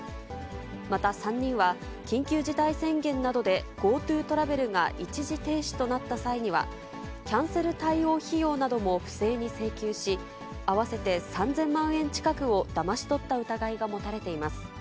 また３人は、緊急事態宣言などでＧｏＴｏトラベルが一時停止となった際には、キャンセル対応費用なども不正に請求し、合わせて３０００万円近くをだまし取った疑いが持たれています。